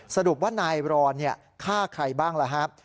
สรุปว่านายรอนฆ่าใครบ้างล่ะครับ